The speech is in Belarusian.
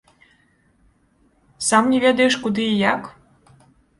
Сам не ведаеш, куды і як?